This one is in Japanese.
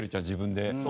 自分で。